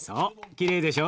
きれいでしょ？